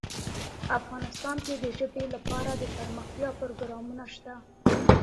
افغانستان کې د ژبې لپاره دپرمختیا پروګرامونه شته.